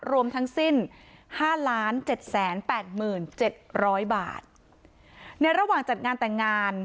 รวมทั้งสิ้นห้าล้านเจ็ดแสนแปดหมื่นเจ็ดร้อยบาทในระหว่างจัดงานแต่งงาน